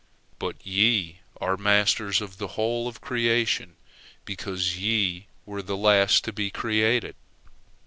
But ye are masters of the whole of creation, because ye were the last to be created.